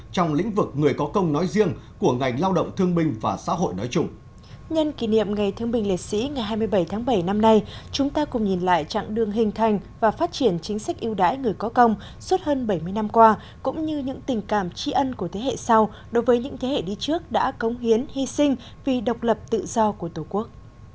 trong thời điểm ngày thương bình liệt sĩ ngày hai mươi bảy tháng bảy năm nay chúng ta cùng nhìn lại trạng đường hình thành và phát triển chính sách yêu đái người có công suốt hơn bảy mươi năm qua cũng như những tình cảm tri ân của thế hệ sau đối với những thế hệ đi trước đã cống hiến hy sinh vì độc lập tự do của tổ quốc